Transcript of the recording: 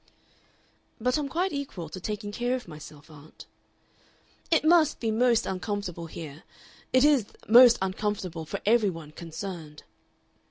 "But I'm quite equal to taking care of myself, aunt." "It must be most uncomfortable here. It is most uncomfortable for every one concerned."